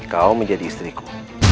kau menjadi istriku